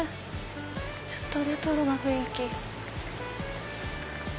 ちょっとレトロな雰囲気。